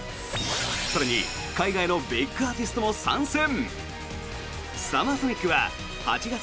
更に、海外のビッグアーティストも参戦。